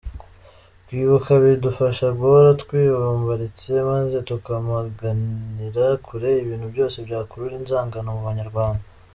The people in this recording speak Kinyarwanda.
Kwibuka bidufasha guhora twibombaritse, maze tukamaganira kure ibintu byose byakurura inzangano mu Banyarwanda.